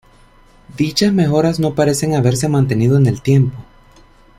Dichas mejoras no parecen haberse mantenido en el tiempo.